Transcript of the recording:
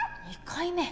２回目！？